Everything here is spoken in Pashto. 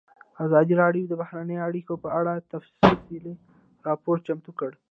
ازادي راډیو د بهرنۍ اړیکې په اړه تفصیلي راپور چمتو کړی.